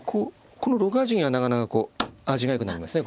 この６八銀はなかなか味がよくなりますね